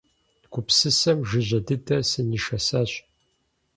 Гупсысэм жыжьэ дыдэ сынишэсащ.